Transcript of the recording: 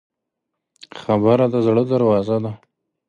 خبره د زړه دروازه ده.